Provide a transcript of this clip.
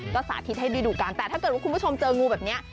ก็สาธิตให้ได้ดูกันแต่ถ้าเกิดว่าคุณผู้ชมเจองูแบบนี้